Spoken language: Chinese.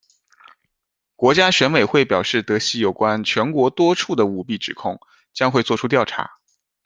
国家选委会表示得悉有关「全国多处」的舞弊指控，将会作出调查。